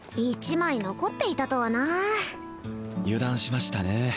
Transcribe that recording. １枚残っていたとはな油断しましたね